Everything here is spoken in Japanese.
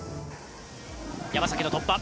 山崎の突破。